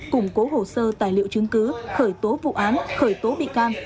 củng cố hồ sơ tài liệu chứng cứ khởi tố vụ án khởi tố bị can